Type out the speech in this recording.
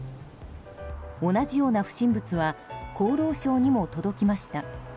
同じような不審物は厚労省にも届きました。